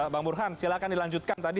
bang burhan silahkan dilanjutkan tadi